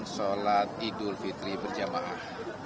sholat idul fitri berjamaah